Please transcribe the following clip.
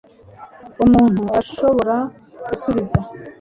umuntu arashobora gusubiza